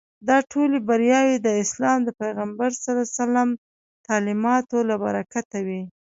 دا ټولې بریاوې د اسلام د پیغمبر تعلیماتو له برکته وې.